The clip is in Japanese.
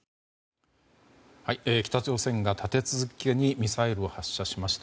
北朝鮮が立て続けにミサイルを発射しました。